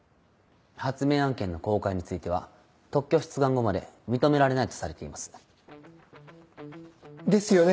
発明案件の公開については特許出願後まで認められないとされています。ですよね？